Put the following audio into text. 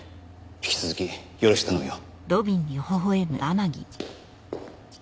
引き続きよろしく頼むよ。